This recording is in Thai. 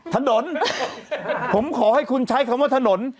ถนนผมขอให้คุณใช้คำว่าถนน